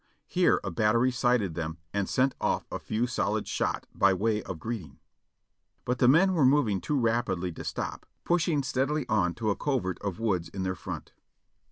Here a battery sighted them and sent off a few solid shot by w^ay of greeting, but the men were moving too rapidly to stop, pushing steadily on to a covert of woods in their front.